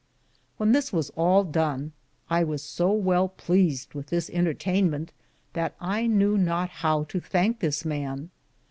When this was all done, I was so well pleasede with this entertaynmente, that I knew not how to thanke this man.